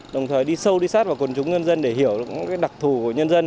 đồng thời đi sâu đi sát vào quần chúng nhân dân để hiểu được đặc thù của nhân dân